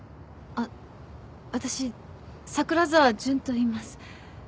あっ私桜沢純といいます。